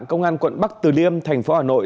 công an quận bắc từ liêm thành phố hà nội